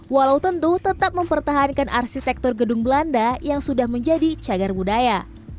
walau tentu tetap mempertahankan arsitektur gedung belanda yang sudah menjadi cagar budaya